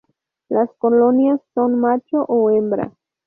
Las colonias son macho o hembra.